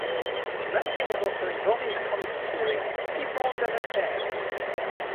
Murphy was also involved in the comedy series "People Under the Stares".